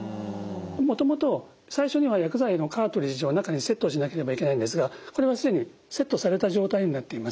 もともと最初には薬剤のカートリッジを中にセットしなければいけないんですがこれは既にセットされた状態になっています。